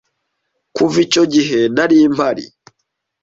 Kuva icyo gihe narimpari